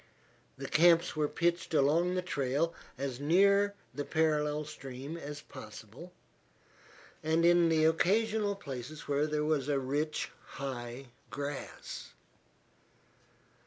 The camps were pitched along the trail as near the parallel stream as possible, and in the occasional places where there was rich, high grass.